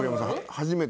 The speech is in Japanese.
初めて？